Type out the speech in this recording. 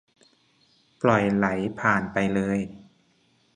ปล่อยไหลผ่านไปเลย